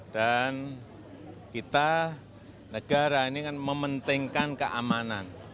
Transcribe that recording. dan kita negara ini kan mementingkan keamanan